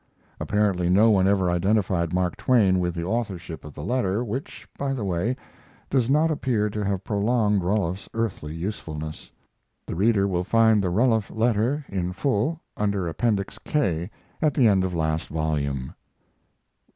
Apparently no one ever identified, Mark Twain with the authorship of the letter, which, by the way, does not appear to have prolonged Ruloff's earthly usefulness. [The reader will find the Ruloff letter in full under Appendix K, at the end of last volume.